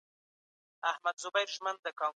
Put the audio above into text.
د خپلي ټولني له ريښتيني حالت څخه ځان ښه خبر کړئ.